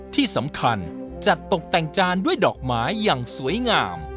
ที่สำคัญจัดตกแต่งจานด้วยดอกไม้อย่างสวยงาม